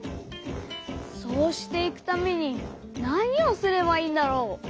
そうしていくためになにをすればいいんだろう？